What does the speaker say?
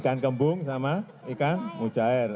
ikan kembung sama ikan mujair